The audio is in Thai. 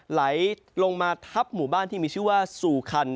ไหลลงมาทับหมู่บ้านที่มีชื่อว่าสู่คัน